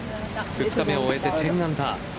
２日目を終えて１０アンダー